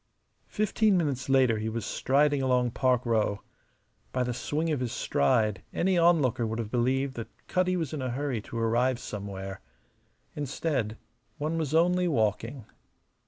Fifteen minutes later he was striding along Park Row. By the swing of his stride any onlooker would have believed that Cutty was in a hurry to arrive somewhere. Instead, one was only walking.